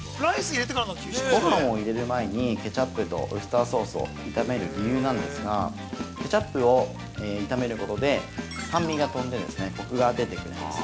◆ごはんを入れる前に、ケチャップとウスターソースを炒める理由なんですが、ケチャップを炒めることで酸味が飛んで、コクが出てくれます。